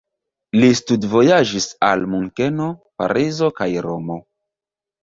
Li studvojaĝis al Munkeno, Parizo kaj Romo.